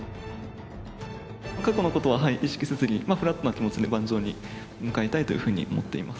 過去のことは意識せずに、フラットな気持ちで盤上に向かいたいというふうに思っています。